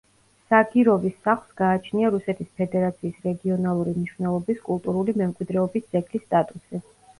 საგიროვის სახლს გააჩნია რუსეთის ფედერაციის რეგიონალური მნიშვნელობის კულტურული მემკვიდრეობის ძეგლის სტატუსი.